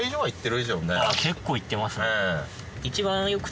結構行ってますね。